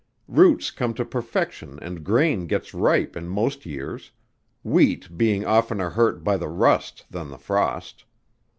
Roots come to perfection and grain gets ripe in most years; wheat being oftener hurt by the rust than the frost.